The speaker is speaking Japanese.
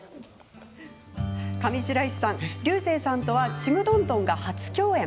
上白石さん、竜星さんとは「ちむどんどん」が初共演。